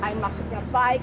ayah maksudnya baik